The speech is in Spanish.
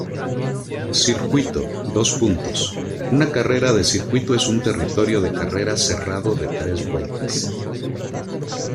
Circuito: Una carrera de circuito es un territorio de carrera cerrado de tres vueltas.